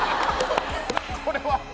これは。